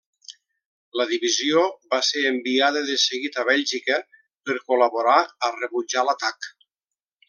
La divisió va ser enviada de seguit a Bèlgica per col·laborar a rebutjar l'atac.